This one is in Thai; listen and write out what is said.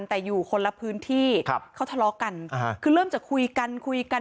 แต่อยู่คนละพื้นที่เขาทะเลาะกันนะครับคือเริ่มจะคุยกัน